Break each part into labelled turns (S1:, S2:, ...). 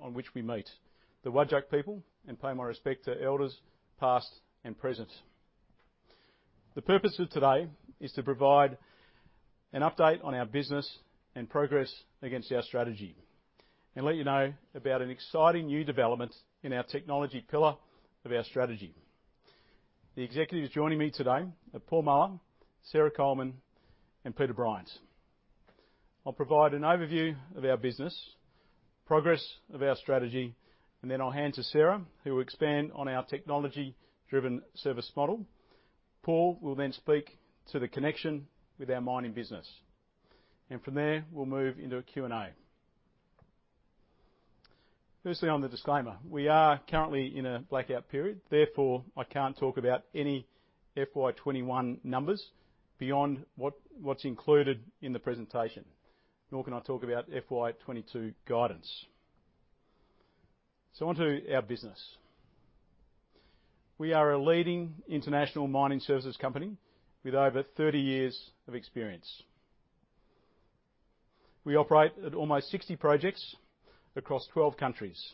S1: On which we meet, the Whadjuk people, and pay my respect to elders, past and present. The purpose of today is to provide an update on our business and progress against our strategy, and let you know about an exciting new development in our technology pillar of our strategy. The executives joining me today are Paul Muller, Sarah Coleman, and Peter Bryant. I'll provide an overview of our business, progress of our strategy, then I'll hand to Sarah, who will expand on our technology-driven service model. Paul will then speak to the connection with our mining business. From there, we'll move into a Q&A. Firstly, on the disclaimer. We are currently in a blackout period, therefore, I can't talk about any FY 2021 numbers beyond what's included in the presentation. Nor can I talk about FY 2022 guidance. On to our business. We are a leading international mining services company with over 30 years of experience. We operate at almost 60 projects across 12 countries.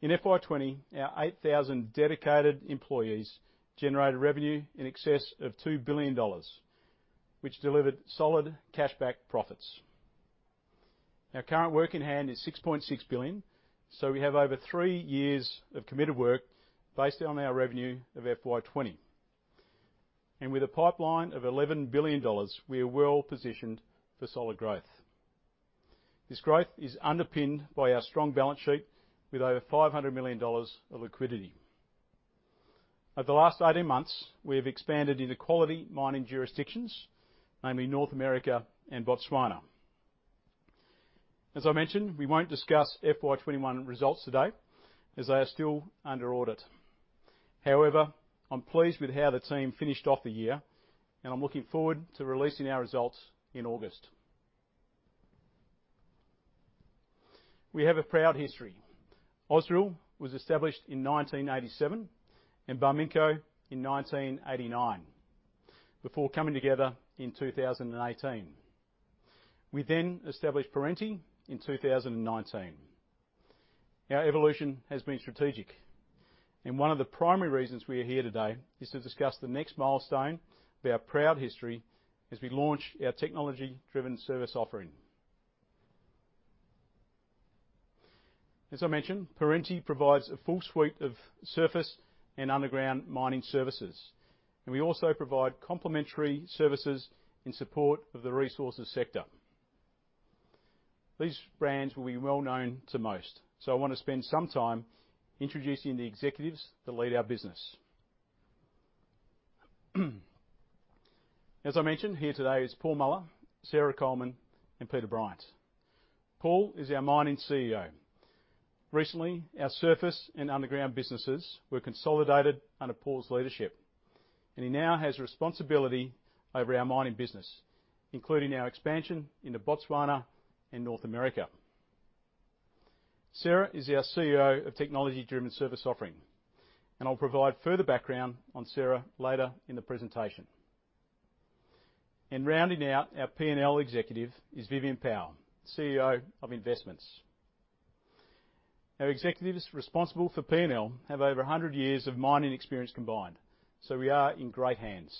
S1: In FY 2020, our 8,000 dedicated employees generated revenue in excess of 2 billion dollars, which delivered solid cash-backed profits. Our current work in hand is 6.6 billion, we have over three years of committed work based on our revenue of FY 2020. With a pipeline of 11 billion dollars, we are well-positioned for solid growth. This growth is underpinned by our strong balance sheet with over 500 million dollars of liquidity. Over the last 18 months, we have expanded into quality mining jurisdictions, namely North America and Botswana. As I mentioned, we won't discuss FY 2021 results today as they are still under audit. However, I'm pleased with how the team finished off the year, and I'm looking forward to releasing our results in August. We have a proud history. Ausdrill was established in 1987 and Barminco in 1989, before coming together in 2018. We established Perenti in 2019. Our evolution has been strategic. One of the primary reasons we are here today is to discuss the next milestone of our proud history as we launch our technology-driven service offering. As I mentioned, Perenti provides a full suite of surface and underground mining services. We also provide complementary services in support of the resources sector. These brands will be well known to most. I want to spend some time introducing the executives that lead our business. As I mentioned, here today is Paul Muller, Sarah Coleman, and Peter Bryant. Paul is our Mining CEO. Recently, our surface and underground businesses were consolidated under Paul's leadership, and he now has responsibility over our mining business, including our expansion into Botswana and North America. I'll provide further background on Sarah later in the presentation. Rounding out our P&L executive is Vivian Powell, CEO of Investments. Our executives responsible for P&L have over 100 years of mining experience combined, so we are in great hands.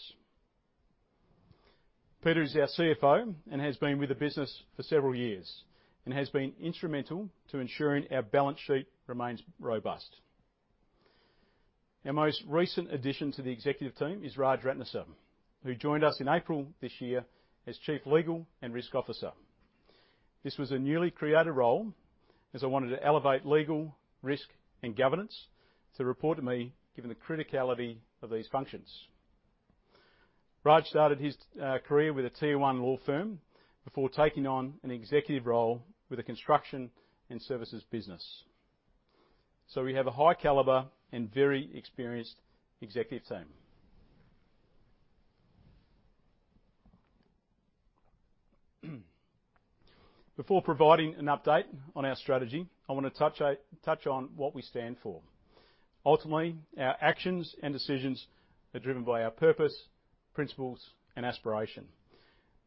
S1: Peter is our CFO and has been with the business for several years and has been instrumental to ensuring our balance sheet remains robust. Our most recent addition to the executive team is Raj Ratnasabapathy, who joined us in April this year as Chief Legal and Risk Officer. This was a newly created role as I wanted to elevate legal, risk, and governance to report to me given the criticality of these functions. Raj started his career with a Tier 1 law firm before taking on an executive role with a construction and services business. We have a high caliber and very experienced executive team. Before providing an update on our strategy, I want to touch on what we stand for. Ultimately, our actions and decisions are driven by our purpose, principles, and aspiration.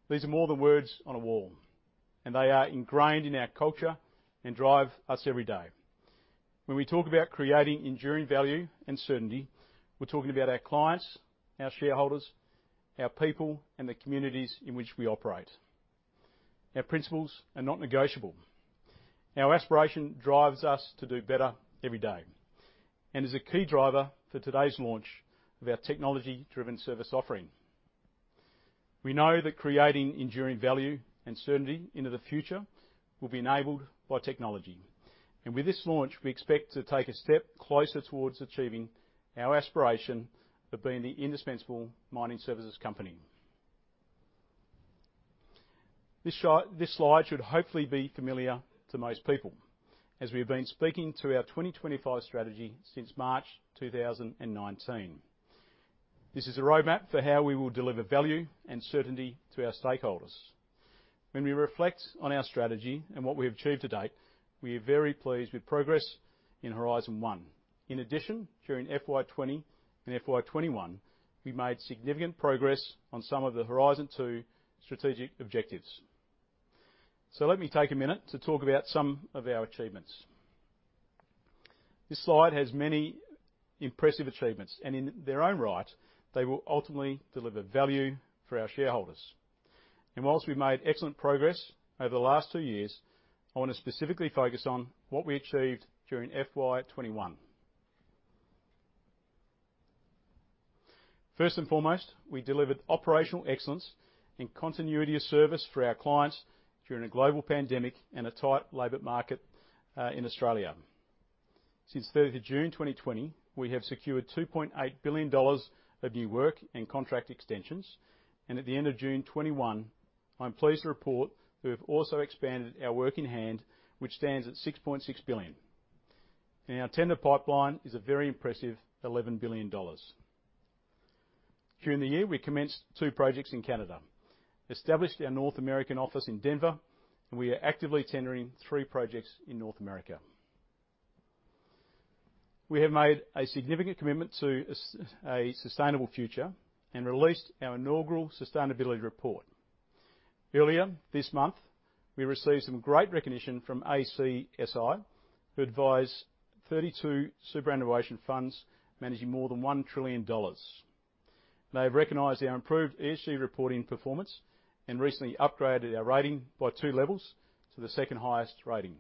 S1: These are more than words on a wall, and they are ingrained in our culture and drive us every day. When we talk about creating enduring value and certainty, we're talking about our clients, our shareholders, our people, and the communities in which we operate. Our principles are not negotiable. Our aspiration drives us to do better every day and is a key driver for today's launch of our technology-driven service offering. We know that creating enduring value and certainty into the future will be enabled by technology. With this launch, we expect to take a step closer towards achieving our aspiration of being the indispensable mining services company. This slide should hopefully be familiar to most people, as we have been speaking to our 2025 Strategy since March 2019. This is a roadmap for how we will deliver value and certainty to our stakeholders. When we reflect on our strategy and what we have achieved to date, we are very pleased with progress in Horizon One. In addition, during FY 2020 and FY 2021, we made significant progress on some of the Horizon 2 strategic objectives. Let me take a minute to talk about some of our achievements. This slide has many impressive achievements, and in their own right, they will ultimately deliver value for our shareholders. Whilst we've made excellent progress over the last two years, I want to specifically focus on what we achieved during FY 2021. First and foremost, we delivered operational excellence and continuity of service for our clients during a global pandemic and a tight labor market in Australia. Since 30th of June 2020, we have secured 2.8 billion dollars of new work and contract extensions, and at the end of June 2021, I'm pleased to report that we've also expanded our work in hand, which stands at 6.6 billion. Our tender pipeline is a very impressive 11 billion dollars. During the year, we commenced two projects in Canada, established our North American office in Denver, and we are actively tendering three projects in North America. We have made a significant commitment to a sustainable future and released our inaugural sustainability report. Earlier this month, we received some great recognition from ACSI, who advise 32 superannuation funds managing more than 1 trillion dollars. They have recognized our improved ESG reporting performance and recently upgraded our rating by two levels to the second-highest rating.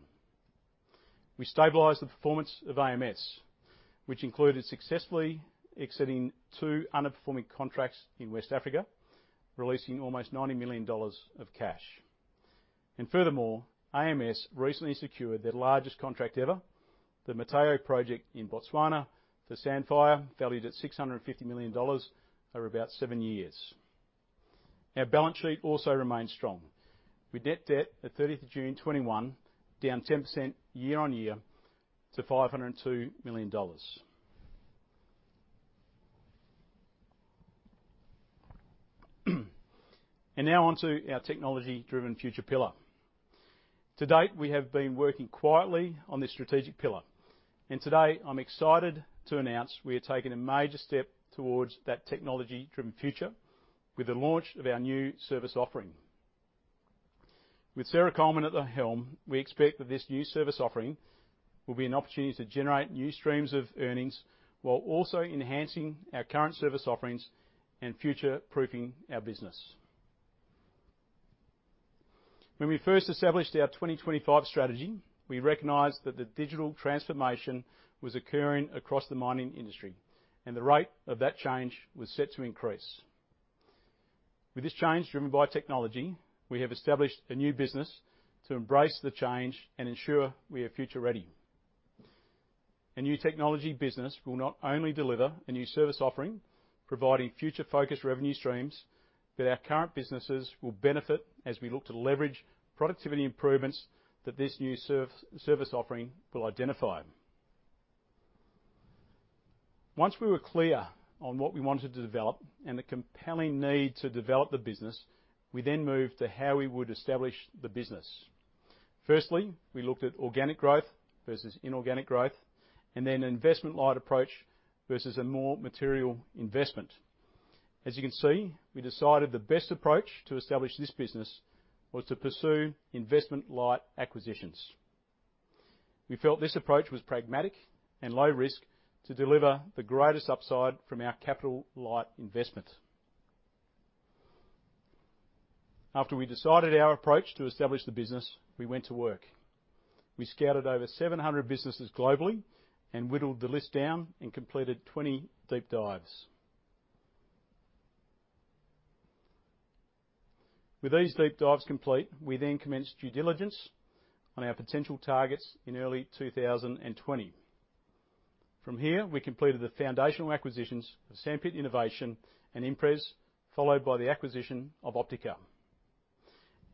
S1: Furthermore, AMS recently secured their largest contract ever, the Motheo project in Botswana, for Sandfire, valued at 650 million dollars over about seven years. Our balance sheet also remains strong, with net debt at 30th of June 2021 down 10% year-on-year to 502 million dollars. Now on to our technology-driven future pillar. To date, we have been working quietly on this strategic pillar. Today, I'm excited to announce we are taking a major step towards that technology-driven future with the launch of our new service offering. With Sarah Coleman at the helm, we expect that this new service offering will be an opportunity to generate new streams of earnings while also enhancing our current service offerings and future-proofing our business. When we first established our 2025 Strategy, we recognized that the digital transformation was occurring across the mining industry, and the rate of that change was set to increase. With this change driven by technology, we have established a new business to embrace the change and ensure we are future-ready. A new technology business will not only deliver a new service offering, providing future-focused revenue streams, but our current businesses will benefit as we look to leverage productivity improvements that this new service offering will identify. Once we were clear on what we wanted to develop and the compelling need to develop the business, we then moved to how we would establish the business. Firstly, we looked at organic growth versus inorganic growth, and then an investment-light approach versus a more material investment. As you can see, we decided the best approach to establish this business was to pursue investment-light acquisitions. We felt this approach was pragmatic and low risk to deliver the greatest upside from our capital-light investment. After we decided our approach to establish the business, we went to work. We scouted over 700 businesses globally and whittled the list down and completed 20 deep dives. With these deep dives complete, we commenced due diligence on our potential targets in early 2020. From here, we completed the foundational acquisitions of Sandpit Innovation and ImpRes, followed by the acquisition of Optika.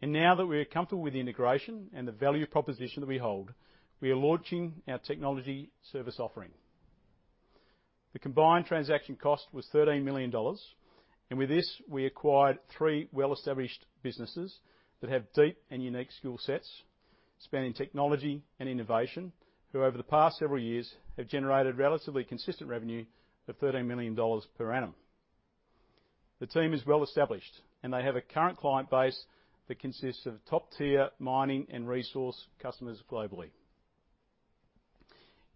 S1: Now that we are comfortable with the integration and the value proposition that we hold, we are launching our technology service offering. The combined transaction cost was 13 million dollars. With this, we acquired three well-established businesses that have deep and unique skill sets spanning technology and innovation, who over the past several years have generated relatively consistent revenue of 13 million dollars per annum. The team is well-established, they have a current client base that consists of top-tier mining and resource customers globally.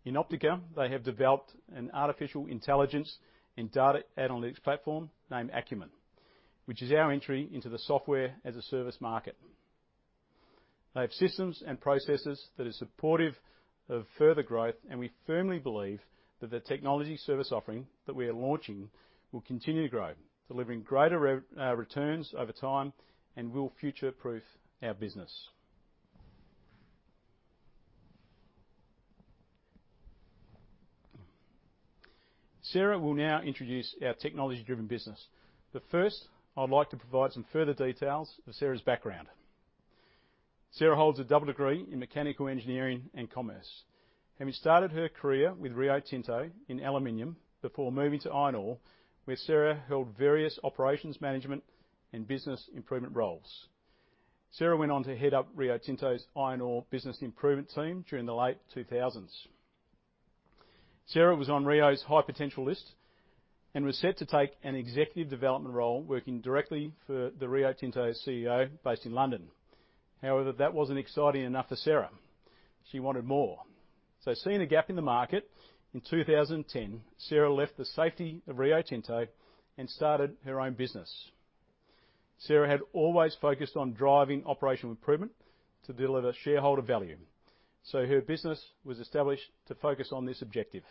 S1: In Optika, they have developed an artificial intelligence and data analytics platform named Akumen, which is our entry into the software as a service market. They have systems and processes that are supportive of further growth, and we firmly believe that the technology service offering that we are launching will continue to grow, delivering greater returns over time and will future-proof our business. Sarah will now introduce our technology-driven business. First, I'd like to provide some further details of Sarah's background. Sarah holds a double degree in mechanical engineering and commerce. Having started her career with Rio Tinto in aluminum before moving to iron ore, where Sarah held various operations management and business improvement roles. Sarah went on to head up Rio Tinto's iron ore business improvement team during the late 2000s. Sarah was on Rio's high potential list, and was set to take an executive development role working directly for the Rio Tinto CEO based in London. However, that wasn't exciting enough for Sarah. She wanted more. Seeing a gap in the market, in 2010, Sarah left the safety of Rio Tinto and started her own business. Sarah had always focused on driving operational improvement to deliver shareholder value, her business was established to focus on this objective.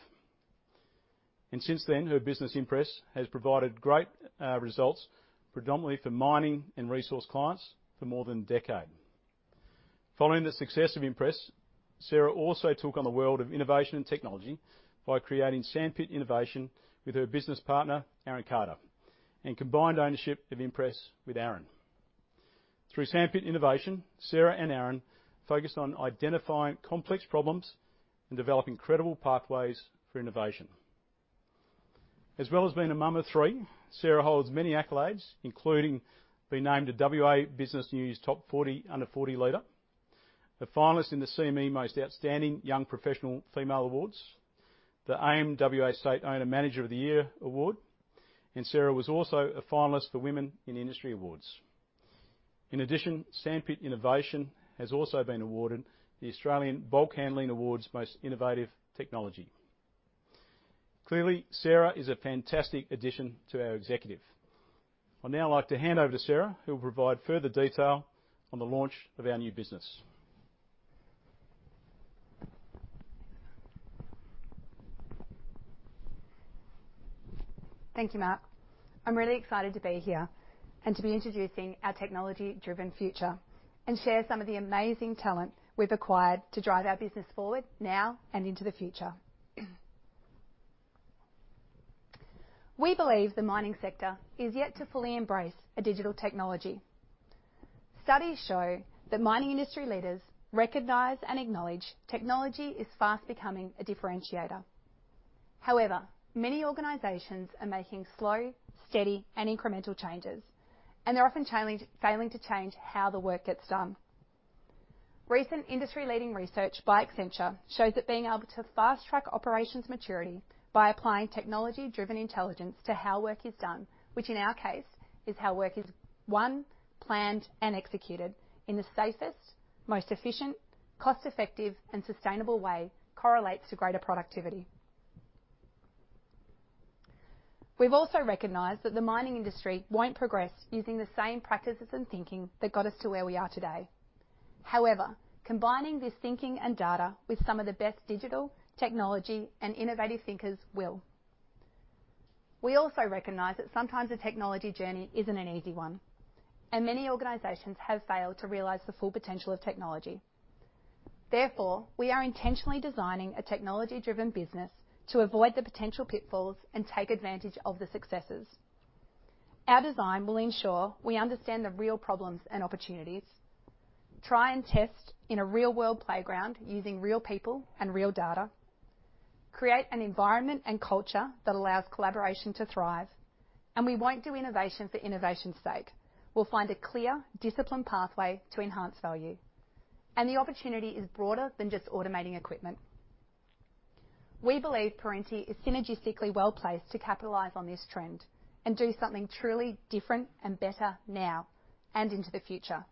S1: Since then, her business, ImpRes, has provided great results predominantly for mining and resource clients for more than a decade. Following the success of ImpRes, Sarah also took on the world of innovation and technology by creating Sandpit Innovation with her business partner, Aaron Carter, and combined ownership of ImpRes with Aaron. Through Sandpit Innovation, Sarah and Aaron focused on identifying complex problems and developing credible pathways for innovation. As well as being a mum of three, Sarah holds many accolades, including being named a WA Business News Top 40 Under 40 Leader, a finalist in the CME Most Outstanding Young Professional Female Awards, the AIM WA State Owner/Manager of the Year Award, and Sarah was also a finalist for Women in Industry Awards. In addition, Sandpit Innovation has also been awarded the Australian Bulk Handling Awards Most Innovative Technology. Clearly, Sarah is a fantastic addition to our executive. I'd now like to hand over to Sarah, who will provide further detail on the launch of our new business.
S2: Thank you, Mark. I'm really excited to be here and to be introducing our technology-driven future and share some of the amazing talent we've acquired to drive our business forward now and into the future. We believe the mining sector is yet to fully embrace a digital technology. Studies show that mining industry leaders recognize and acknowledge technology is fast becoming a differentiator. However, many organizations are making slow, steady, and incremental changes, and they're often failing to change how the work gets done. Recent industry-leading research by Accenture shows that being able to fast-track operations maturity by applying technology-driven intelligence to how work is done, which in our case is how work is won, planned, and executed in the safest, most efficient, cost-effective, and sustainable way correlates to greater productivity. We've also recognized that the mining industry won't progress using the same practices and thinking that got us to where we are today. Combining this thinking and data with some of the best digital technology and innovative thinkers will. We also recognize that sometimes the technology journey isn't an easy one, and many organizations have failed to realize the full potential of technology. We are intentionally designing a technology-driven business to avoid the potential pitfalls and take advantage of the successes. Our design will ensure we understand the real problems and opportunities, try and test in a real-world playground using real people and real data, create an environment and culture that allows collaboration to thrive. We won't do innovation for innovation's sake. We'll find a clear, disciplined pathway to enhance value. The opportunity is broader than just automating equipment. We believe Perenti is synergistically well-placed to capitalize on this trend and do something truly different and better now and into the future.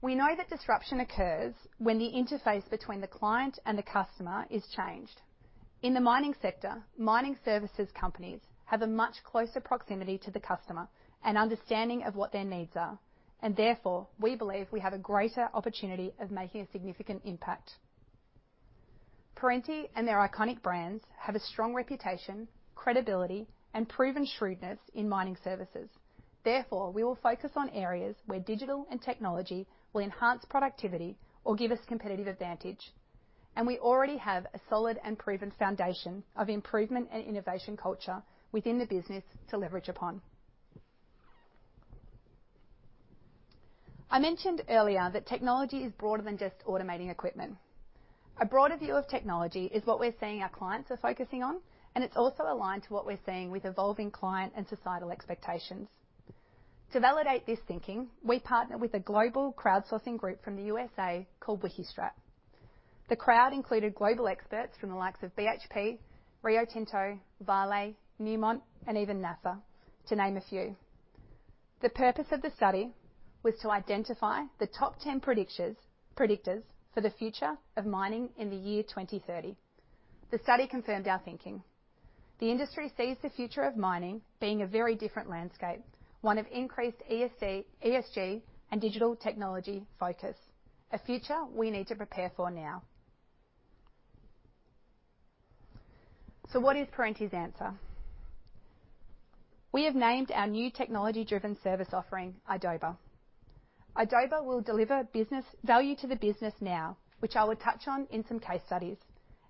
S2: We know that disruption occurs when the interface between the client and the customer is changed. In the mining sector, mining services companies have a much closer proximity to the customer and understanding of what their needs are, and therefore, we believe we have a greater opportunity of making a significant impact. Perenti and their iconic brands have a strong reputation, credibility, and proven shrewdness in mining services. We will focus on areas where digital and technology will enhance productivity or give us competitive advantage, and we already have a solid and proven foundation of improvement and innovation culture within the business to leverage upon. I mentioned earlier that technology is broader than just automating equipment. A broader view of technology is what we're seeing our clients are focusing on, and it's also aligned to what we're seeing with evolving client and societal expectations. To validate this thinking, we partnered with a global crowdsourcing group from the USA called Wikistrat. The crowd included global experts from the likes of BHP, Rio Tinto, Vale, Newmont, and even NASA, to name a few. The purpose of the study was to identify the top 10 predictors for the future of mining in the year 2030. The study confirmed our thinking. The industry sees the future of mining being a very different landscape, one of increased ESG and digital technology focus, a future we need to prepare for now. What is Perenti's answer? We have named our new technology-driven service offering idoba. idoba will deliver value to the business now, which I will touch on in some case studies,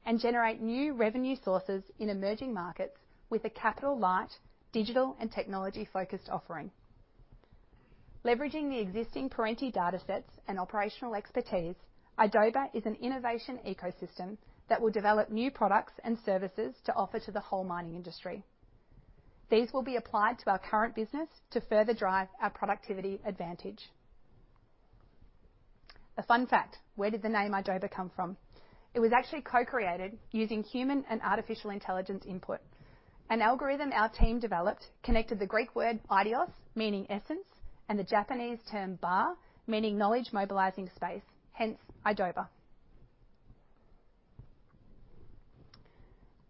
S2: and generate new revenue sources in emerging markets with a capital light, digital and technology-focused offering. Leveraging the existing Perenti data sets and operational expertise, idoba is an innovation ecosystem that will develop new products and services to offer to the whole mining industry. These will be applied to our current business to further drive our productivity advantage. A fun fact: where did the name idoba come from? It was actually co-created using human and artificial intelligence input. An algorithm our team developed connected the Greek word "eidos," meaning essence, and the Japanese term "ba," meaning knowledge mobilizing space, hence idoba.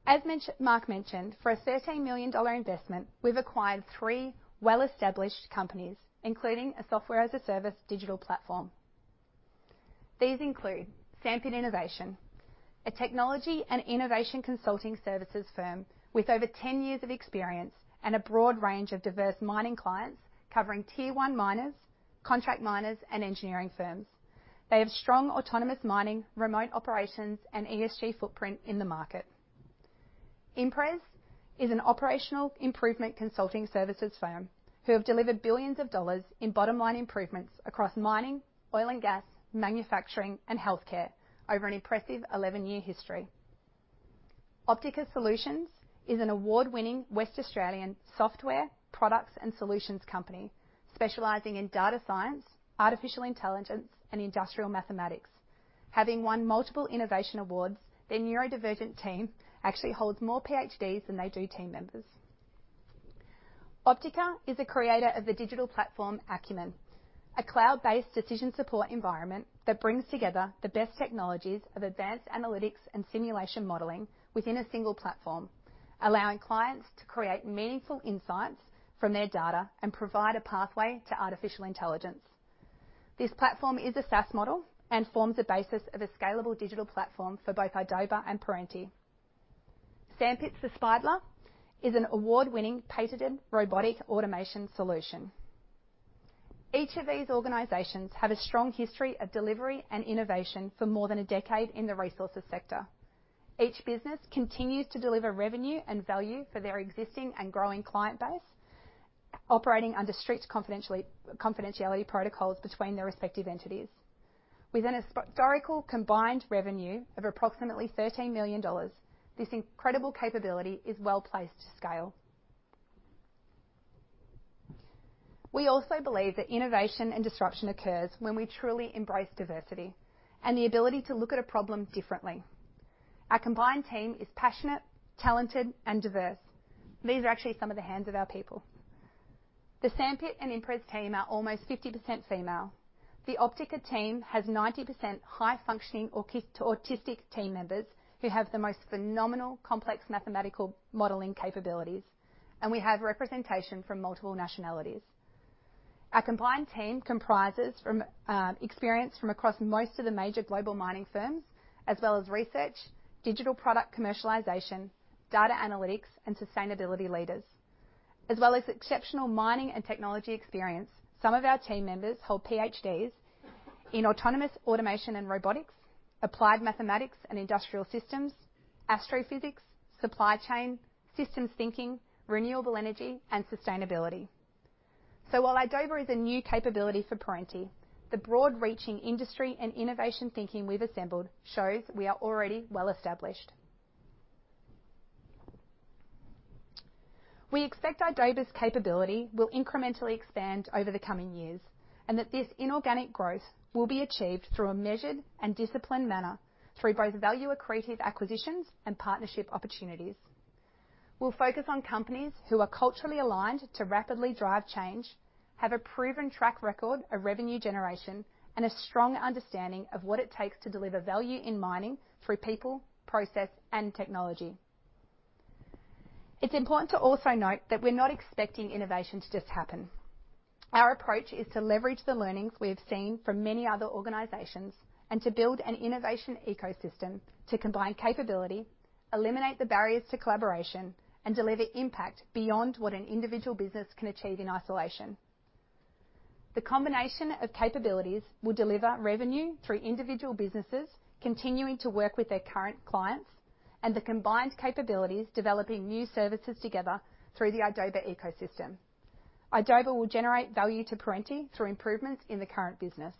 S2: As Mark mentioned, for a 13 million dollar investment, we've acquired three well-established companies, including a software as a service digital platform. These include Sandpit Innovation, a technology and innovation consulting services firm with over 10 years of experience and a broad range of diverse mining clients covering Tier 1 miners, contract miners, and engineering firms. They have strong autonomous mining, remote operations, and ESG footprint in the market. ImpRes is an operational improvement consulting services firm who have delivered billions of dollars in bottom-line improvements across mining, oil and gas, manufacturing, and healthcare over an impressive 11-year history. Optika Solutions is an award-winning West Australian software, products, and solutions company specializing in data science, artificial intelligence, and industrial mathematics. Having won multiple innovation awards, their neurodivergent team actually holds more PhDs than they do team members. Optika is the creator of the digital platform Akumen, a cloud-based decision support environment that brings together the best technologies of advanced analytics and simulation modeling within a single platform, allowing clients to create meaningful insights from their data and provide a pathway to artificial intelligence. This platform is a SaaS model and forms the basis of a scalable digital platform for both idoba and Perenti. Sandpit's The Spider is an award-winning, patented robotic automation solution. Each of these organizations have a strong history of delivery and innovation for more than a decade in the resources sector. Each business continues to deliver revenue and value for their existing and growing client base, operating under strict confidentiality protocols between their respective entities. With a historical combined revenue of approximately 13 million dollars, this incredible capability is well-placed to scale. We also believe that innovation and disruption occurs when we truly embrace diversity and the ability to look at a problem differently. Our combined team is passionate, talented, and diverse. These are actually some of the hands of our people. The Sandpit and ImpRes team are almost 50% female. The Optika team has 90% high-functioning autistic team members, who have the most phenomenal complex mathematical modeling capabilities, and we have representation from multiple nationalities. Our combined team comprises experience from across most of the major global mining firms, as well as research, digital product commercialization, data analytics, and sustainability leaders. As well as exceptional mining and technology experience, some of our team members hold PhDs in autonomous automation and robotics, applied mathematics and industrial systems, astrophysics, supply chain, systems thinking, renewable energy, and sustainability. While idoba is a new capability for Perenti, the broad-reaching industry and innovation thinking we've assembled shows we are already well-established. We expect idoba's capability will incrementally expand over the coming years, and that this inorganic growth will be achieved through a measured and disciplined manner through both value-accretive acquisitions and partnership opportunities. We'll focus on companies who are culturally aligned to rapidly drive change, have a proven track record of revenue generation, and a strong understanding of what it takes to deliver value in mining through people, process, and technology. It's important to also note that we're not expecting innovation to just happen. Our approach is to leverage the learnings we have seen from many other organizations, and to build an innovation ecosystem to combine capability, eliminate the barriers to collaboration, and deliver impact beyond what an individual business can achieve in isolation. The combination of capabilities will deliver revenue through individual businesses continuing to work with their current clients, and the combined capabilities developing new services together through the idoba ecosystem. Idoba will generate value to Perenti through improvements in the current business.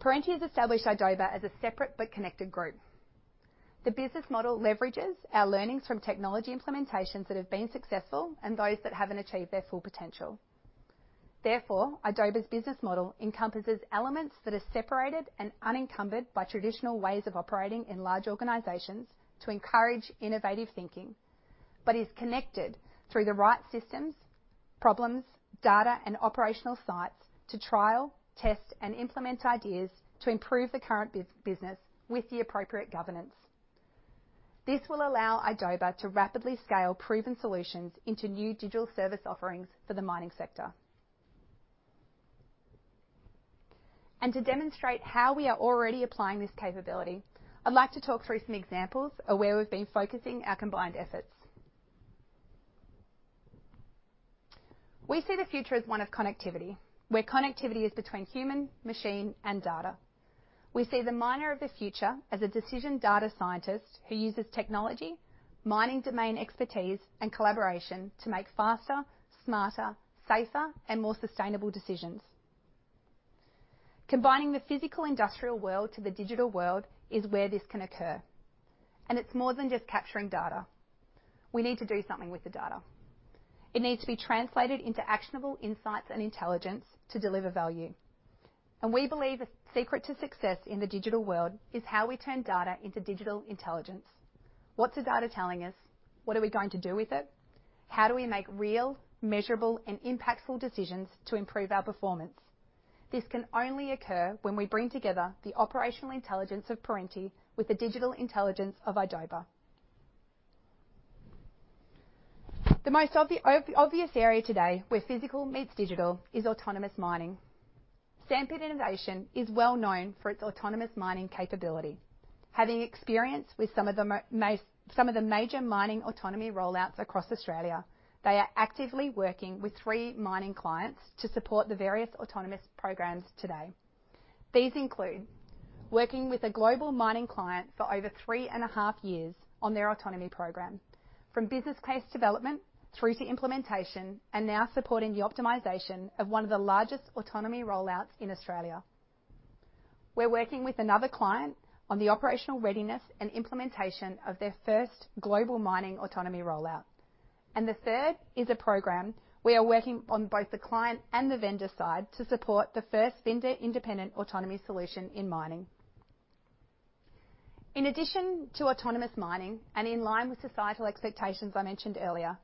S2: Perenti has established idoba as a separate but connected group. The business model leverages our learnings from technology implementations that have been successful and those that haven't achieved their full potential. Therefore, idoba's business model encompasses elements that are separated and unencumbered by traditional ways of operating in large organizations to encourage innovative thinking, but is connected through the right systems, problems, data, and operational sites to trial, test, and implement ideas to improve the current business with the appropriate governance. This will allow idoba to rapidly scale proven solutions into new digital service offerings for the mining sector. To demonstrate how we are already applying this capability, I'd like to talk through some examples of where we've been focusing our combined efforts. We see the future as one of connectivity, where connectivity is between human, machine, and data. We see the miner of the future as a decision data scientist who uses technology, mining domain expertise, and collaboration to make faster, smarter, safer, and more sustainable decisions. Combining the physical industrial world to the digital world is where this can occur. It's more than just capturing data. We need to do something with the data. It needs to be translated into actionable insights and intelligence to deliver value. We believe a secret to success in the digital world is how we turn data into digital intelligence. What's the data telling us? What are we going to do with it? How do we make real, measurable, and impactful decisions to improve our performance? This can only occur when we bring together the operational intelligence of Perenti with the digital intelligence of idoba. The most obvious area today where physical meets digital is autonomous mining. Sandpit Innovation is well known for its autonomous mining capability. Having experience with some of the major mining autonomy rollouts across Australia, they are actively working with three mining clients to support the various autonomous programs today. These include working with a global mining client for over three and a half years on their autonomy program, from business case development through to implementation, and now supporting the optimization of one of the largest autonomy rollouts in Australia. We're working with another client on the operational readiness and implementation of their first global mining autonomy rollout. The third is a program we are working on both the client and the vendor side to support the first vendor-independent autonomy solution in mining. In addition to autonomous mining, and in line with societal expectations I mentioned earlier,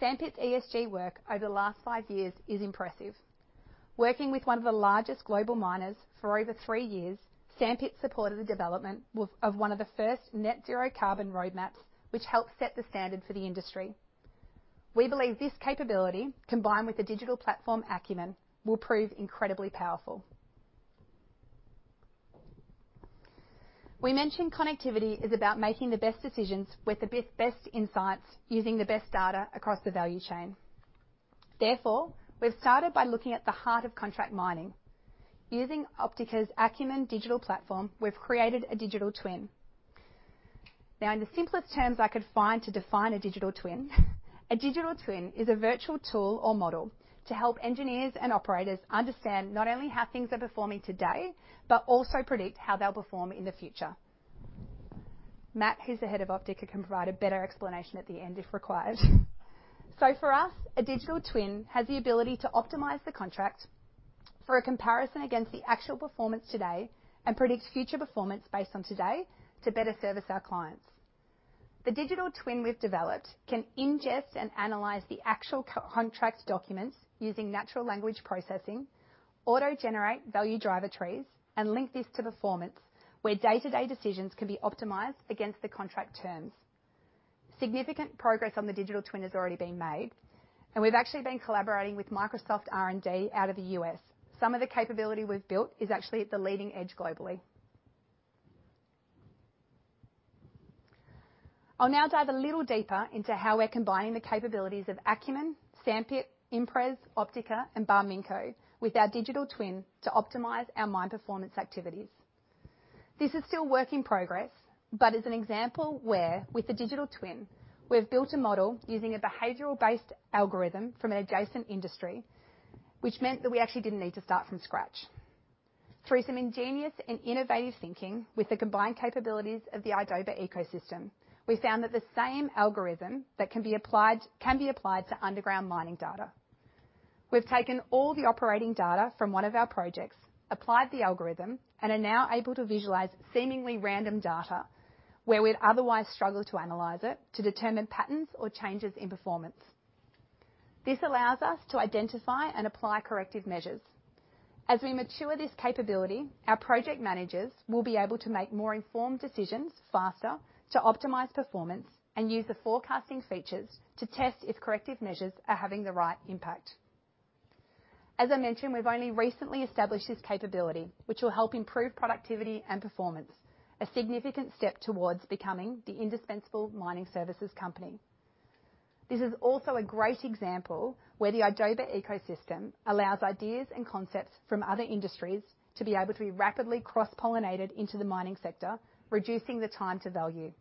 S2: Sandpit's ESG work over the last five years is impressive. Working with one of the largest global miners for over three years, Sandpit supported the development of one of the first net zero carbon roadmaps, which helped set the standard for the industry. We believe this capability, combined with the digital platform Akumen, will prove incredibly powerful. We mentioned connectivity is about making the best decisions with the best insights, using the best data across the value chain. Therefore, we've started by looking at the heart of contract mining. Using Optika's Akumen digital platform, we've created a digital twin. In the simplest terms I could find to define a digital twin, a digital twin is a virtual tool or model to help engineers and operators understand not only how things are performing today, but also predict how they'll perform in the future. Matt, who's the head of Optika, can provide a better explanation at the end if required. For us, a digital twin has the ability to optimize the contract for a comparison against the actual performance today and predict future performance based on today to better service our clients. The digital twin we've developed can ingest and analyze the actual contract documents using natural language processing, auto-generate value driver trees, and link this to performance, where day-to-day decisions can be optimized against the contract terms. Significant progress on the digital twin has already been made, and we've actually been collaborating with Microsoft R&D out of the U.S. Some of the capability we've built is actually at the leading edge globally. I'll now dive a little deeper into how we're combining the capabilities of Akumen, Sandpit, ImpRes, Optika, and Barminco with our digital twin to optimize our mine performance activities. This is still work in progress, but is an example where, with the digital twin, we've built a model using a behavioral-based algorithm from an adjacent industry, which meant that we actually didn't need to start from scratch. Through some ingenious and innovative thinking with the combined capabilities of the idoba ecosystem, we found that the same algorithm can be applied to underground mining data. We've taken all the operating data from one of our projects, applied the algorithm, and are now able to visualize seemingly random data, where we'd otherwise struggle to analyze it to determine patterns or changes in performance. This allows us to identify and apply corrective measures. As we mature this capability, our project managers will be able to make more informed decisions faster to optimize performance and use the forecasting features to test if corrective measures are having the right impact. As I mentioned, we've only recently established this capability, which will help improve productivity and performance, a significant step towards becoming the indispensable mining services company. This is also a great example where the idoba ecosystem allows ideas and concepts from other industries to be able to be rapidly cross-pollinated into the mining sector, reducing the time to value.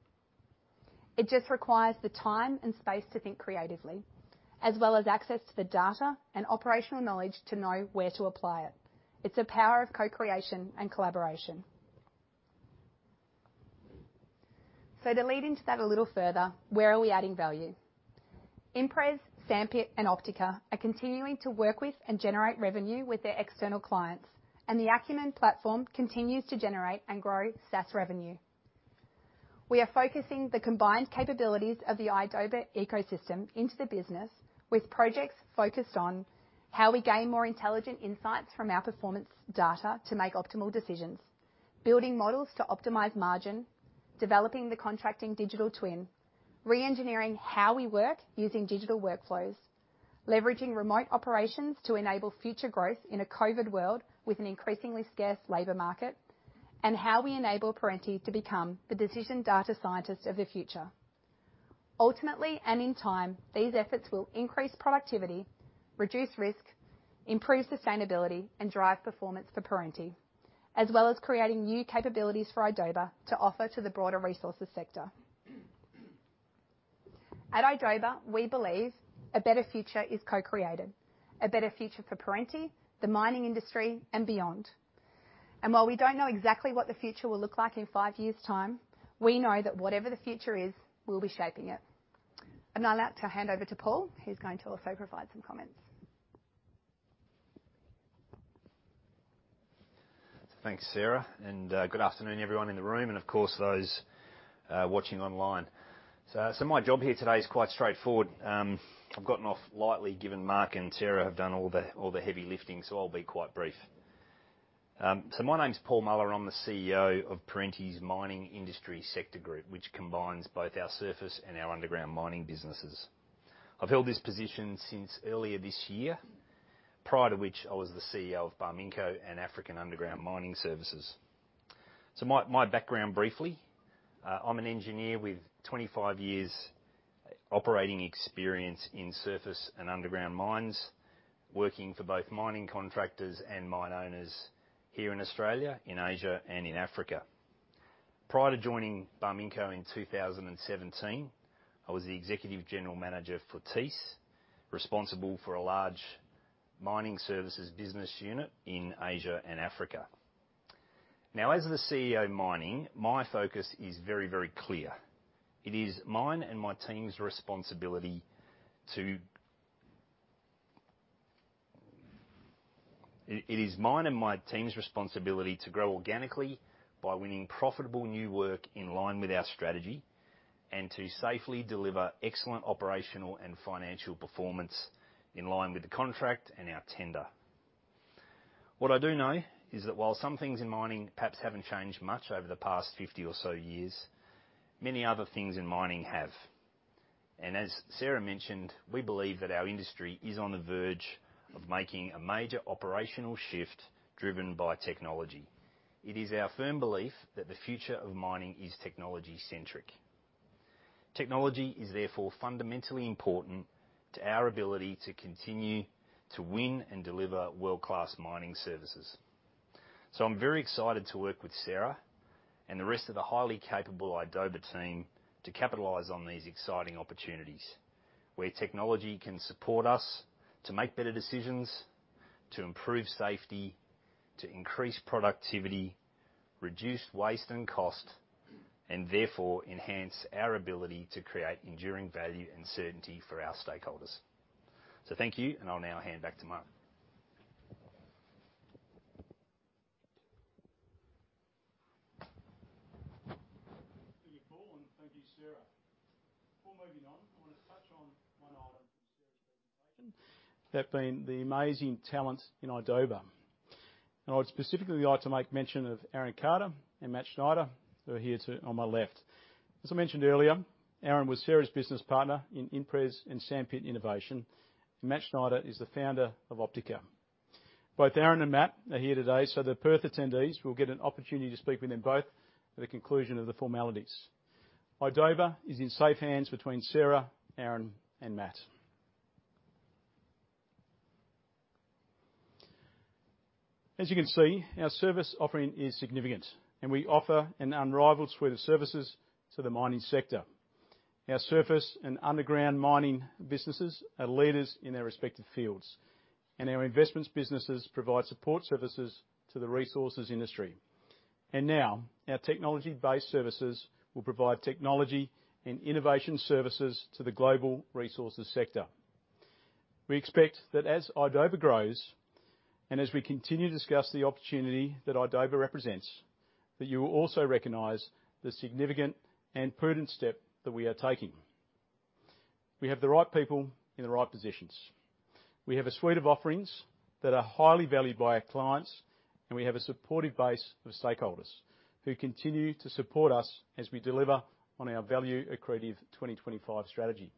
S2: It just requires the time and space to think creatively, as well as access to the data and operational knowledge to know where to apply it. It's a power of co-creation and collaboration. To lead into that a little further, where are we adding value? ImpRes, Sandpit, and Optika are continuing to work with and generate revenue with their external clients, and the Akumen platform continues to generate and grow SaaS revenue. We are focusing the combined capabilities of the idoba ecosystem into the business with projects focused on how we gain more intelligent insights from our performance data to make optimal decisions, building models to optimize margin, developing the contracting digital twin, re-engineering how we work using digital workflows, leveraging remote operations to enable future growth in a COVID world with an increasingly scarce labor market, and how we enable Perenti to become the decision data scientist of the future. Ultimately, and in time, these efforts will increase productivity, reduce risk, improve sustainability, and drive performance for Perenti, as well as creating new capabilities for idoba to offer to the broader resources sector. At idoba, we believe a better future is co-created, a better future for Perenti, the mining industry, and beyond. While we don't know exactly what the future will look like in five years' time, we know that whatever the future is, we'll be shaping it. I'd like to hand over to Paul, who's going to also provide some comments.
S3: Thanks, Sarah. Good afternoon everyone in the room and, of course, those watching online. My job here today is quite straightforward. I've gotten off lightly given Mark and Sarah have done all the heavy lifting, so I'll be quite brief. My name's Paul Muller, I'm the CEO of Perenti's Mining Industry Sector Group, which combines both our surface and our underground mining businesses. I've held this position since earlier this year, prior to which I was the CEO of Barminco and African Underground Mining Services. My background briefly, I'm an engineer with 25 years operating experience in surface and underground mines, working for both mining contractors and mine owners here in Australia, in Asia, and in Africa. Prior to joining Barminco in 2017, I was the Executive General Manager for Thiess, responsible for a large mining services business unit in Asia and Africa. As the CEO of mining, my focus is very very clear. It is mine and my team's responsibility to grow organically by winning profitable new work in line with our strategy, and to safely deliver excellent operational and financial performance in line with the contract and our tender. What I do know is that while some things in mining perhaps haven't changed much over the past 50 or so years, many other things in mining have. As Sarah mentioned, we believe that our industry is on the verge of making a major operational shift driven by technology. It is our firm belief that the future of mining is technology-centric. Technology is therefore fundamentally important to our ability to continue to win and deliver world-class mining services. I'm very excited to work with Sarah and the rest of the highly capable idoba team to capitalize on these exciting opportunities where technology can support us to make better decisions, to improve safety, to increase productivity, reduce waste and cost, and therefore enhance our ability to create enduring value and certainty for our stakeholders. Thank you, and I'll now hand back to Mark.
S1: Thank you, Paul, and thank you, Sarah. Before moving on, I want to touch on one item from Sarah's presentation. That being the amazing talent in idoba. I'd specifically like to make mention of Aaron Carter and Matt Schneider, who are here on my left. As I mentioned earlier, Aaron was Sarah's business partner in ImpRes and Sandpit Innovation, and Matt Schneider is the founder of Optika. Both Aaron and Matt are here today, the Perth attendees will get an opportunity to speak with them both at the conclusion of the formalities. idoba is in safe hands between Sarah, Aaron, and Matt. As you can see, our service offering is significant, we offer an unrivaled suite of services to the mining sector. Our surface and underground mining businesses are leaders in their respective fields. Our investments businesses provide support services to the resources industry. Now, our technology-based services will provide technology and innovation services to the global resources sector. We expect that as idoba grows, as we continue to discuss the opportunity that idoba represents, that you will also recognize the significant and prudent step that we are taking. We have the right people in the right positions. We have a suite of offerings that are highly valued by our clients, we have a supportive base of stakeholders who continue to support us as we deliver on our value-accretive 2025 Strategy.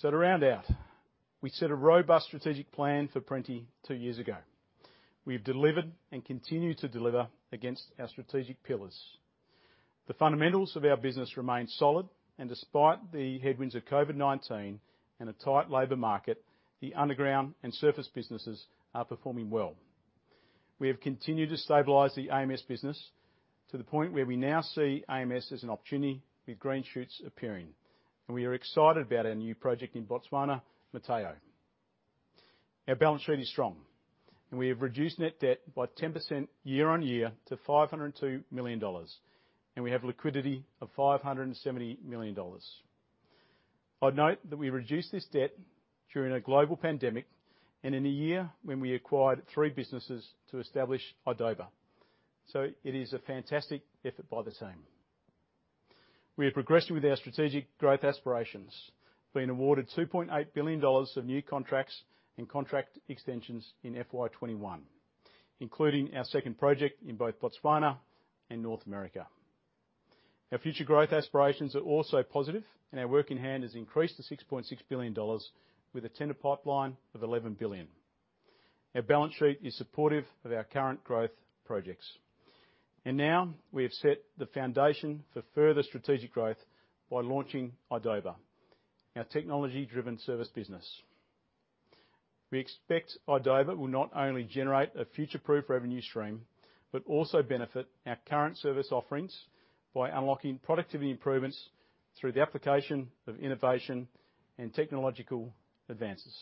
S1: To round out, we set a robust strategic plan for Perenti two years ago. We've delivered and continue to deliver against our strategic pillars. The fundamentals of our business remain solid, despite the headwinds of COVID-19 and a tight labor market, the underground and surface businesses are performing well. We have continued to stabilize the AMS business to the point where we now see AMS as an opportunity with green shoots appearing. We are excited about our new project in Botswana, Motheo. Our balance sheet is strong. We have reduced net debt by 10% year-on-year to 502 million dollars, and we have liquidity of 570 million dollars. I'd note that we reduced this debt during a global pandemic and in a year when we acquired three businesses to establish idoba. It is a fantastic effort by the team. We have progressed with our strategic growth aspirations, been awarded 2.8 billion dollars of new contracts and contract extensions in FY 2021, including our second project in both Botswana and North America. Our future growth aspirations are also positive. Our work in hand has increased to 6.6 billion dollars, with a tender pipeline of 11 billion. Our balance sheet is supportive of our current growth projects. Now we have set the foundation for further strategic growth by launching idoba, our technology-driven service business. We expect idoba will not only generate a future-proof revenue stream, but also benefit our current service offerings by unlocking productivity improvements through the application of innovation and technological advances.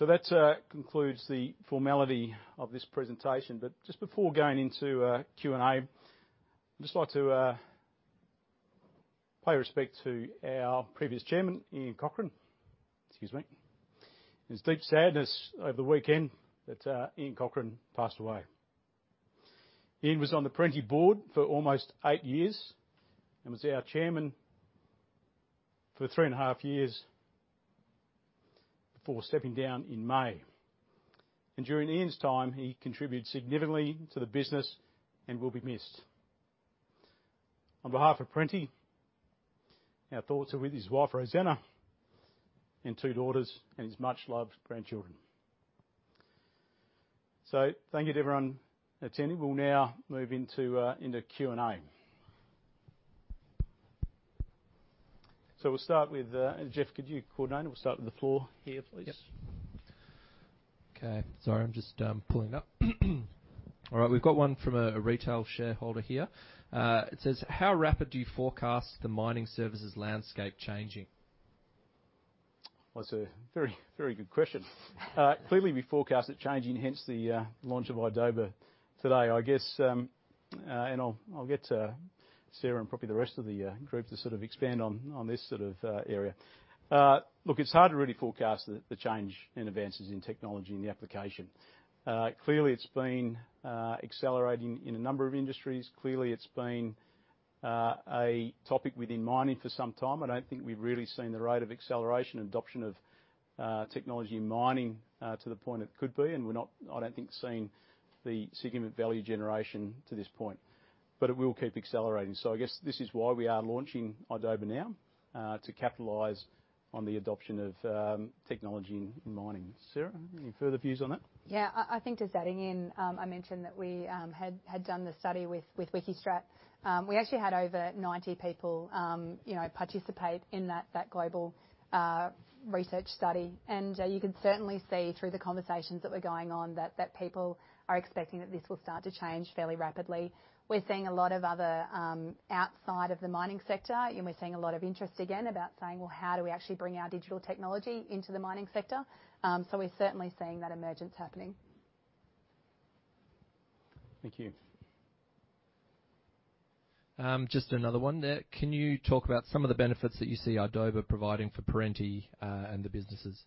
S1: That concludes the formality of this presentation. Just before going into Q&A, I'd just like to pay respect to our previous chairman, Ian Cochrane. Excuse me. It was deep sadness over the weekend that Ian Cochrane passed away. Ian was on the Perenti board for almost eight years and was our chairman for three and a half years before stepping down in May. During Ian's time, he contributed significantly to the business and will be missed. On behalf of Perenti, our thoughts are with his wife, Rosanna, and two daughters, and his much-loved grandchildren. Thank you to everyone attending. We'll now move into Q&A. We'll start with, and Jeff, could you coordinate it? We'll start with the floor here, please.
S4: Yep. Okay. Sorry, I'm just pulling it up. All right. We've got one from a retail shareholder here. It says, "How rapid do you forecast the mining services landscape changing?
S1: That's a very good question. Clearly, we forecast it changing, hence the launch of idoba today. I'll get Sarah and probably the rest of the group to expand on this sort of area. It's hard to really forecast the change in advances in technology and the application. Clearly, it's been accelerating in a number of industries. Clearly, it's been a topic within mining for some time. I don't think we've really seen the rate of acceleration and adoption of technology in mining to the point it could be, and we're not, I don't think, seeing the significant value generation to this point. It will keep accelerating. I guess this is why we are launching idoba now, to capitalize on the adoption of technology in mining. Sarah, any further views on that?
S2: Yeah. I think just adding in, I mentioned that we had done the study with Wikistrat. We actually had over 90 people participate in that global research study. You could certainly see through the conversations that were going on that people are expecting that this will start to change fairly rapidly. We're seeing a lot of other outside of the mining sector, and we're seeing a lot of interest again about saying, "Well, how do we actually bring our digital technology into the mining sector?" We're certainly seeing that emergence happening.
S1: Thank you.
S4: Just another one there. Can you talk about some of the benefits that you see idoba providing for Perenti and the businesses?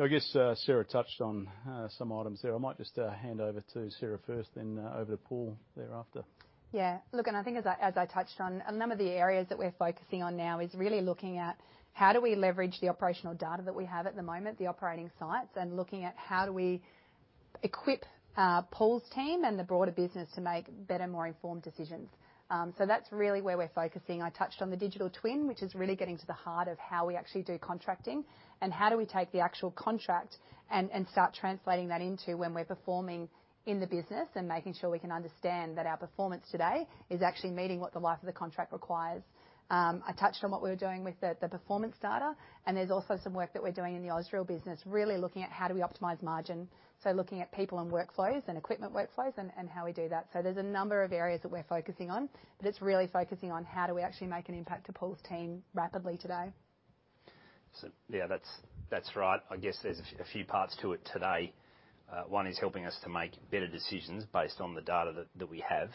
S1: I guess Sarah touched on some items there. I might just hand over to Sarah first, then over to Paul thereafter.
S2: Yeah. Look, I think as I touched on, a number of the areas that we're focusing on now is really looking at how do we leverage the operational data that we have at the moment, the operating sites, and looking at how do we equip Paul's team and the broader business to make better, more informed decisions. That's really where we're focusing. I touched on the digital twin, which is really getting to the heart of how we actually do contracting, and how do we take the actual contract and start translating that into when we're performing in the business and making sure we can understand that our performance today is actually meeting what the life of the contract requires. I touched on what we were doing with the performance data, there's also some work that we're doing in the Ausdrill business, really looking at how do we optimize margin. Looking at people and workflows and equipment workflows and how we do that. There's a number of areas that we're focusing on, but it's really focusing on how do we actually make an impact to Paul's team rapidly today.
S3: Yeah. That's right. I guess there's a few parts to it today. One is helping us to make better decisions based on the data that we have.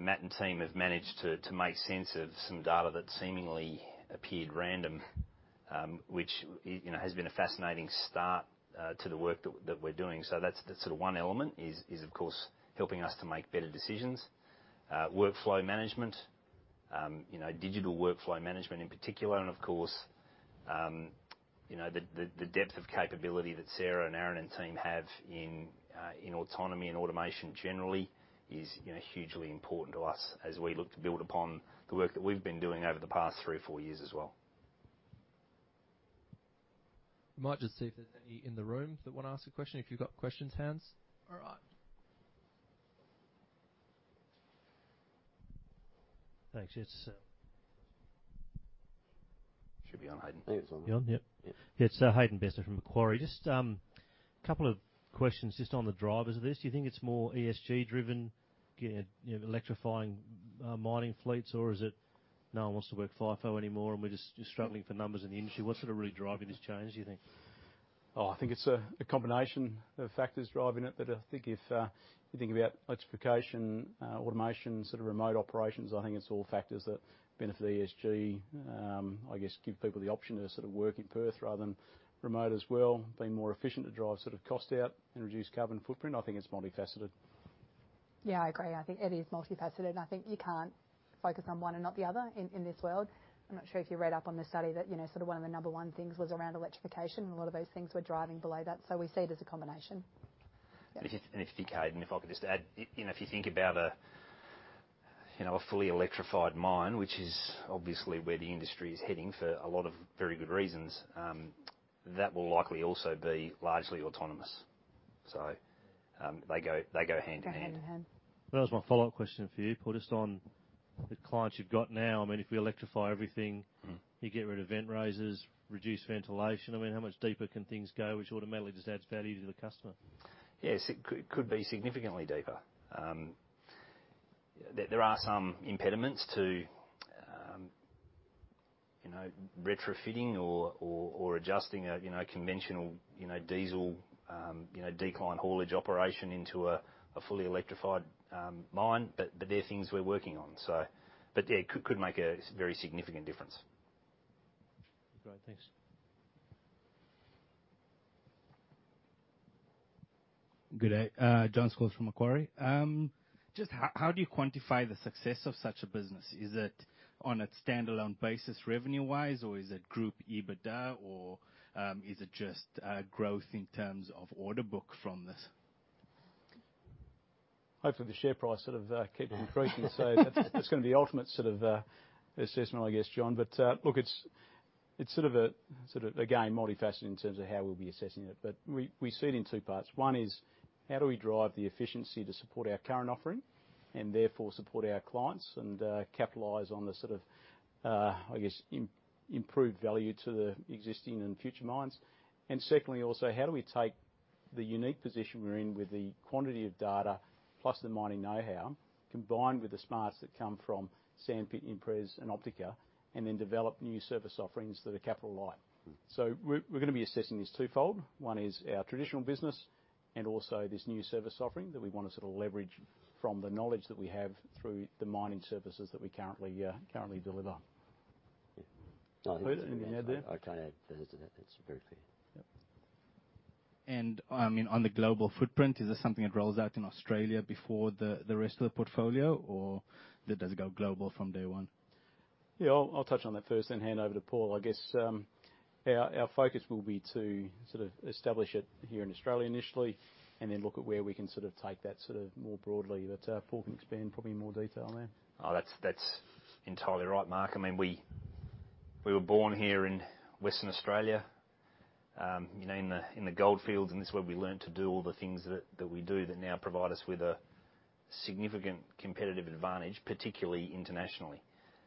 S3: Matt and team have managed to make sense of some data that seemingly appeared random, which has been a fascinating start to the work that we're doing. That's one element is, of course, helping us to make better decisions. Workflow management, digital workflow management in particular. Of course, the depth of capability that Sarah and Aaron and team have in autonomy and automation generally is hugely important to us as we look to build upon the work that we've been doing over the past three or four years as well.
S4: We might just see if there's any in the room that want to ask a question. If you've got questions, hands. All right.
S5: Thanks. Yes.
S3: Should be on, Hayden.
S1: Yeah, it's on.
S5: You on? Yep.
S3: Yep.
S5: Yeah. It's Hayden Bairstow from Macquarie. Just a couple of questions just on the drivers of this. Do you think it's more ESG driven, electrifying mining fleets? Or is it no one wants to work FIFO anymore and we're just struggling for numbers in the industry? What's sort of really driving this change, do you think?
S1: I think it's a combination of factors driving it. I think if you think about electrification, automation, sort of remote operations, I think it's all factors that benefit ESG. I guess give people the option to sort of work in Perth rather than remote as well, being more efficient to drive sort of cost out and reduce carbon footprint. I think it's multifaceted.
S2: Yeah, I agree. I think it is multifaceted. I think you can't focus on one and not the other in this world. I'm not sure if you read up on the study that sort of one of the number one things was around electrification. A lot of those things were driving below that. We see it as a combination. Yeah.
S3: If you could, Hayden, if I could just add. If you think about a fully electrified mine, which is obviously where the industry is heading for a lot of very good reasons, that will likely also be largely autonomous. They go hand in hand.
S1: Go hand in hand.
S5: That was my follow-up question for you, Paul, just on the clients you've got now. If we electrify everything. You get rid of vent raises, reduce ventilation. How much deeper can things go, which automatically just adds value to the customer?
S3: Yes, it could be significantly deeper. There are some impediments to retrofitting or adjusting a conventional diesel decline haulage operation into a fully electrified mine. They're things we're working on. Yeah, it could make a very significant difference.
S5: Great. Thanks.
S6: Good day. Jon Scholtz from Macquarie. Just how do you quantify the success of such a business? Is it on a standalone basis revenue-wise or is it group EBITDA or is it just growth in terms of order book from this?
S1: Hopefully, the share price sort of keep increasing. That's going to be the ultimate sort of assessment, I guess, Jon. Look, it's sort of, again, multifaceted in terms of how we'll be assessing it. We see it in two parts. One is how do we drive the efficiency to support our current offering and therefore support our clients and capitalize on the sort of, I guess, improved value to the existing and future mines. Secondly, also, how do we take the unique position we're in with the quantity of data, plus the mining knowhow, combined with the smarts that come from Sandpit, ImpRes, and Optika, and then develop new service offerings that are capital light. We're going to be assessing this twofold. One is our traditional business and also this new service offering that we want to sort of leverage from the knowledge that we have through the mining services that we currently deliver.
S3: Yeah.
S1: Peter, anything to add there?
S7: I can't add further to that. That's very fair.
S1: Yep.
S6: On the global footprint, is this something that rolls out in Australia before the rest of the portfolio, or does it go global from day one?
S1: Yeah, I'll touch on that first then hand over to Paul. I guess, our focus will be to establish it here in Australia initially, and then look at where we can take that more broadly. Paul can expand probably in more detail there.
S3: Oh, that's entirely right, Mark. We were born here in Western Australia, in the Gold Fields, and this is where we learned to do all the things that we do that now provide us with a significant competitive advantage, particularly internationally.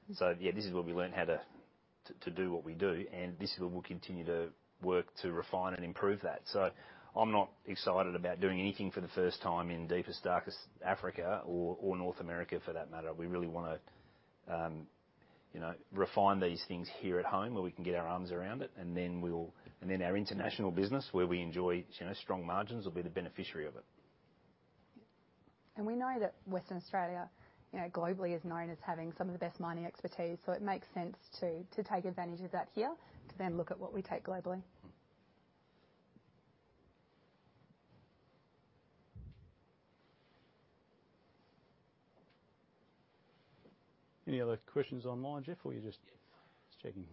S3: Yeah, this is where we learned how to do what we do, and this is where we'll continue to work to refine and improve that. I'm not excited about doing anything for the first time in deepest, darkest Africa or North America for that matter. We really want to refine these things here at home where we can get our arms around it. Our international business, where we enjoy strong margins, will be the beneficiary of it.
S2: We know that Western Australia globally is known as having some of the best mining expertise, so it makes sense to take advantage of that here to then look at what we take globally.
S1: Any other questions online, Jeff?
S4: Yes. Just checking.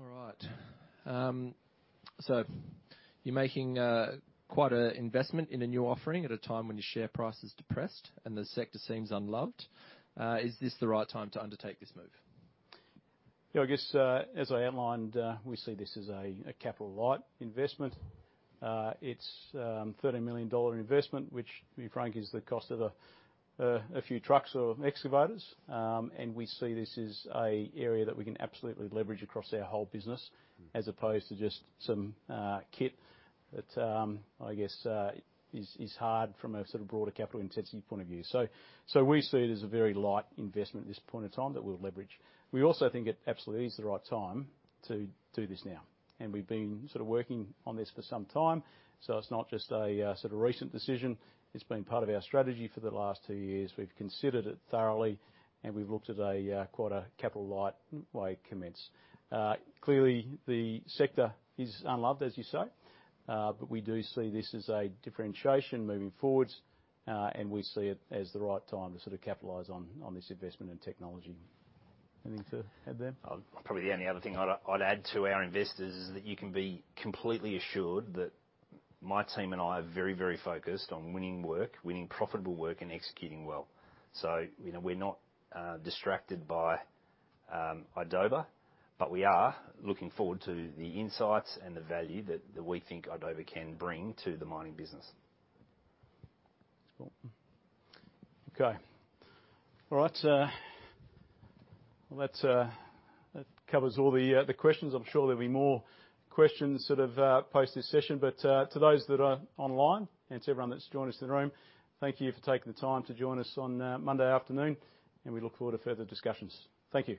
S4: All right. You're making quite an investment in a new offering at a time when your share price is depressed and the sector seems unloved. Is this the right time to undertake this move?
S1: I guess, as I outlined, we see this as a capital light investment. It's an 30 million dollar investment, which to be frank, is the cost of a few trucks or excavators. We see this as an area that we can absolutely leverage across our whole business, as opposed to just some kit that is hard from a sort of broader capital intensity point of view. We see it as a very light investment at this point in time that we'll leverage. We also think it absolutely is the right time to do this now. We've been working on this for some time, so it's not just a recent decision. It's been part of our strategy for the last two years. We've considered it thoroughly, and we've looked at quite a capital light way commence. Clearly, the sector is unloved, as you say. We do see this as a differentiation moving forward. We see it as the right time to capitalize on this investment in technology. Anything to add there?
S3: Probably the only other thing I'd add to our investors is that you can be completely assured that my team and I are very focused on winning work, winning profitable work, and executing well. We're not distracted by idoba, but we are looking forward to the insights and the value that we think idoba can bring to the mining business.
S1: Cool. Okay. All right. Well, that covers all the questions. I'm sure there'll be more questions post this session. To those that are online and to everyone that's joined us in the room, thank you for taking the time to join us on Monday afternoon, and we look forward to further discussions. Thank you.